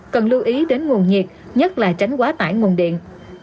cần lưu ý đến nguồn nhiệt nhất là tránh quá tải nguồn điện